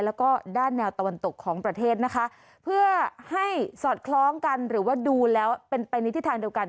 แล้วก็ด้านแนวตะวันตกของประเทศนะคะเพื่อให้สอดคล้องกันหรือว่าดูแล้วเป็นไปในทิศทางเดียวกัน